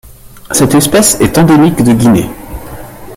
Cette espèce est endémique de Guinée.